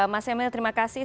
mas emil terima kasih